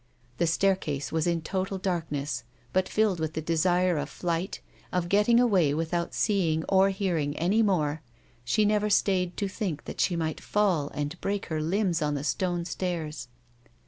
The staircase was in total darkness, but filled with the desire of flight, of getting away without seeing or hearing any more, she never stayed to think that she might fall and break her limbs on the stone stairs.